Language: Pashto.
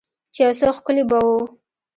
چې يو څه ښکلي به وو.